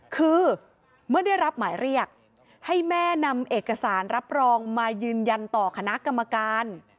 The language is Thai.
คือเมื่อได้รับหมายเรียกให้แม่นำเอกสารรับรองมายืนยันต่อคณะกรรมการ